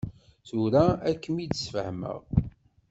Tura ad kem-id-sfehmeɣ.